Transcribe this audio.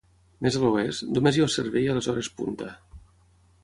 Més a l'oest, només hi ha servei a les hores punta.